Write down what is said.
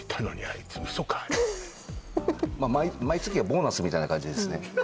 毎月がボーナスみたいな感じですね